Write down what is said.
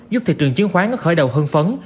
giúp thị trường chứng khoán có khởi đầu hương phấn